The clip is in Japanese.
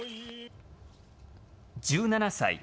１７歳。